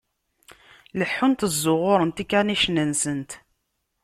Leḥḥunt, ẓẓuɣuṛent ikanicen-nsent.